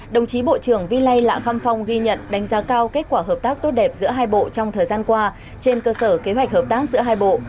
đồng chí bộ trưởng vy lê lạc kham phong ghi nhận đánh giá cao kết quả hợp tác tốt đẹp giữa hai bộ trong thời gian qua trên cơ sở kế hoạch hợp tác giữa hai bộ